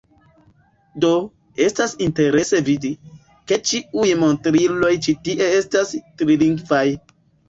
Do, estas interese vidi, ke ĉiuj montriloj ĉi tie estas trilingvaj